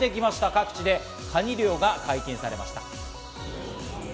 各地でカニ漁が解禁されました。